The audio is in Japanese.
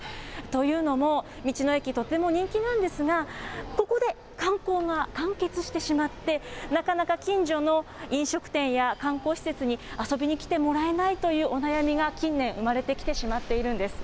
というのも、道の駅、とても人気なんですが、ここで観光が完結してしまって、なかなか近所の飲食店や観光施設に遊びに来てもらえないというお悩みが近年、生まれてきてしまっているんです。